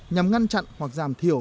nhằm ngăn chặn hoặc giảm thiểu